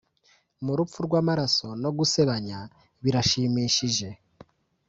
mu rupfu rwamaraso no gusebanya birashimishije,